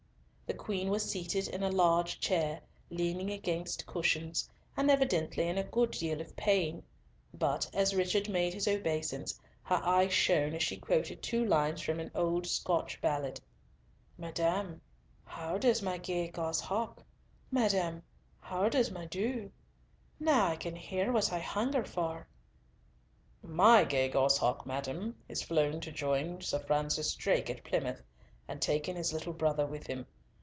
The Queen was seated in a large chair, leaning against cushions, and evidently in a good deal of pain, but, as Richard made his obeisance, her eyes shone as she quoted two lines from an old Scotch ballad— "'Madame, how does my gay goss hawk? Madame, how does my doo?' Now can I hear what I hunger for!" "My gay gosshawk, madam, is flown to join Sir Francis Drake at Plymouth, and taken his little brother with him.